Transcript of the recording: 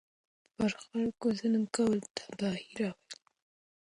پر خلکو ظلم کول تباهي راولي.